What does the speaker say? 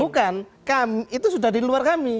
bukan itu sudah di luar kami